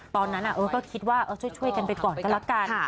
ตอนนั้นก็คิดว่าช่วยกันไปก่อนก็ละกัน